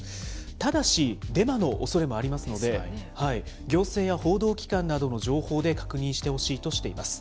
ただし、デマのおそれもありますので、行政や報道機関などの情報で確認してほしいとしています。